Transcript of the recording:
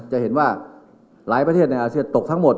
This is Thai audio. จะเห็นว่าหลายประเทศในอาเซียนตกทั้งหมด